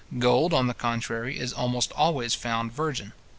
Gold, on the contrary, is almost always found virgin.